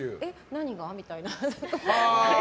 何が？みたいな。